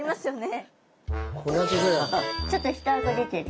ちょっと下顎出てる。